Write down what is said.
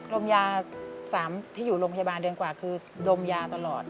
ลมยา๓ที่อยู่โรงพยาบาลเดือนกว่าคือดมยาตลอด